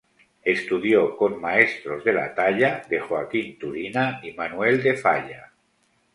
Estudió con maestros de la talla de Joaquín Turina y Manuel de Falla.